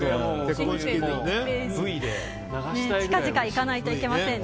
近々行かないといけませんね。